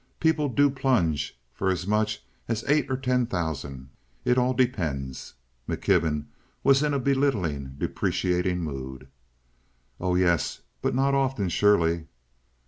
People do plunge for as much as eight or ten thousand. It all depends." McKibben was in a belittling, depreciating mood. "Oh yes, but not often, surely."